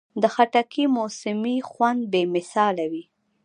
د خټکي موسمي خوند بې مثاله وي.